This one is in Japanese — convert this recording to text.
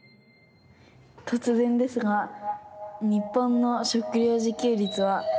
とつぜんですが日本の食料自給率は。